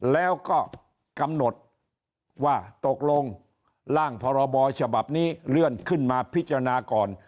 แล้วก็กำหนดว่าตกลงร่างพรบฉบับนี้เลื่อนขึ้นมาพิจารณาก่อน